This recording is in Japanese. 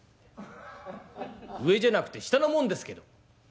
「上じゃなくて下の者ですけど。